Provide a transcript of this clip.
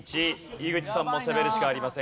井口さんも攻めるしかありません。